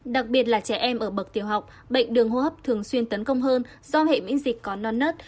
đặc biệt là trẻ em ở bậc tiểu học bệnh đường hô hấp thường xuyên tấn công hơn do hệ miễn dịch có non nớt